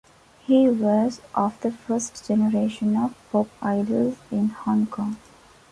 He was of the first generation of pop idols in Hong Kong.